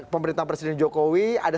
pemerintah presiden jokowi ada